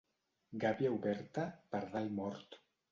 Gàbia oberta, pardal mort.